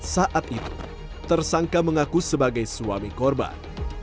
saat itu tersangka mengaku sebagai suami korban